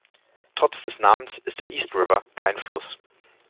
Trotz des Namens ist der East River kein Fluss.